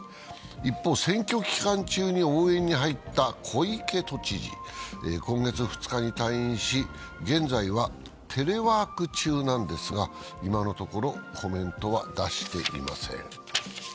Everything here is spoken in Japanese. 一方、選挙期間中に応援に入った小池都知事、今月２日に退院し、現在はテレワーク中なんですが、今のところコメントは出していません。